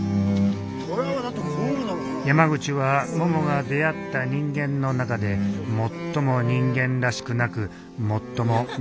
山口はももが出会った人間の中で最も人間らしくなく最も人間らしかった。